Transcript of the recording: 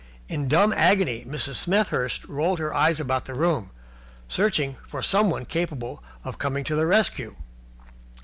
In dumb agony Mrs. Smethurst rolled her eyes about the room searching for someone capable of coming to the rescue.